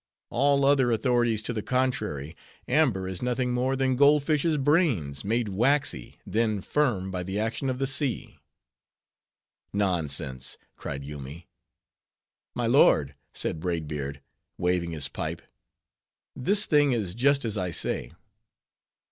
All other authorities to the contrary, amber is nothing more than gold fishes' brains, made waxy, then firm, by the action of the sea." "Nonsense!" cried Yoomy. "My lord," said Braid Beard, waving his pipe, this thing is just as I say.